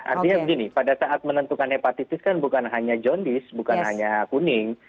artinya begini pada saat menentukan hepatitis kan bukan hanya john disk bukan hanya kuning